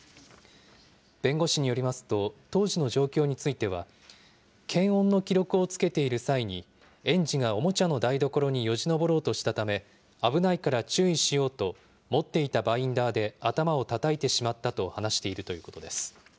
弁護士によりますと、当時の状況については、検温の記録をつけている際に、園児がおもちゃの台所によじ登ろうとしたため、危ないから注意しようと、持っていたバインダーで頭をたたいてしまったと話しているということです。